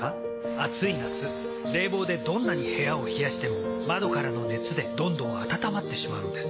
暑い夏冷房でどんなに部屋を冷やしても窓からの熱でどんどん暖まってしまうんです。